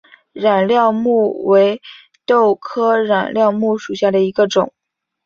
染料木为豆科染料木属下的一个种。